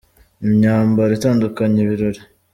imyambaro itandukanye ibirori.